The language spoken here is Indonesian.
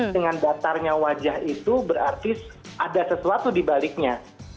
dengan datarnya wajah itu berarti ada sesuatu di baliknya